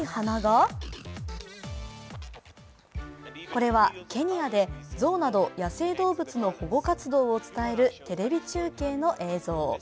これはケニアでゾウなど野生動物の保護活動を伝えるテレビ中継の映像。